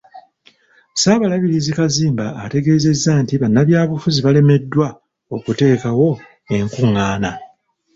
Ssaabalabirizi Kazimba ategeeezezza nti bannabyabufuzi balemeddwa okuteekawo enkung'aana.